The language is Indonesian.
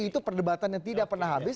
itu perdebatan yang tidak pernah habis